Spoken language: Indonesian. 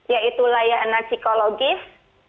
yaitu layanan psikologis